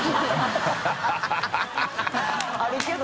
あるけど。